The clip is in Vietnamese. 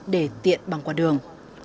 để tiện bằng qua đường